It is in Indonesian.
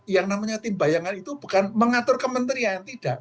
yang namanya tim bayangan itu bukan mengatur kementerian tidak